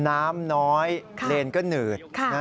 น้ำน้อยเลนก็หนืด